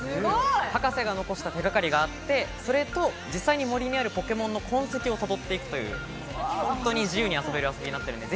博士が残した手掛かりがあって、それと実際に森にあるポケモンの痕跡をたどっていくという、本当に自由に遊べる遊びになっていますので、